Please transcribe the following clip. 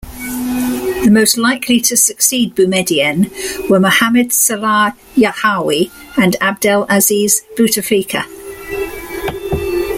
The most likely to succeed Boumediene were Mohammad Salah Yahiaoui and Abdelaziz Bouteflika.